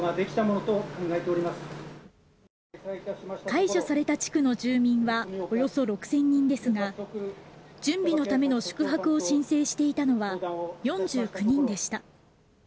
解除された地区の住民はおよそ６０００人ですが準備のための宿泊を申請していたのは４９人でした。